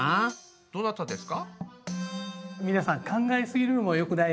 どなたですか？